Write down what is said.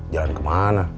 jalan ke mana